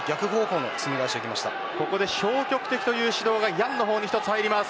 ここで消極的という指導がヤンの方に入ります。